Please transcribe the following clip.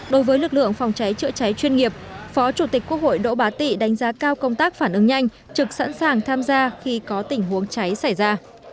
đối với lực lượng phòng cháy chữa cháy chuyên nghiệp phó chủ tịch quốc hội đỗ bá tị đánh giá cao công tác phản ứng nhanh trực sẵn sàng tham gia khi có tình huống cháy xảy ra